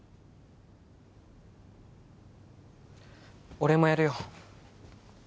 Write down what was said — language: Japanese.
俺もやるよ